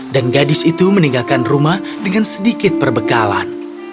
dan gadis itu meninggalkan rumah dengan sedikit perbekalan